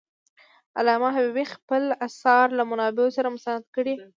علامه حبيبي خپل آثار له منابعو سره مستند کړي دي.